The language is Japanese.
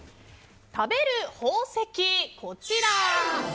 食べる宝石、こちら。